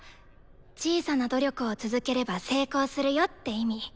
「小さな努力を続ければ成功するよ」って意味。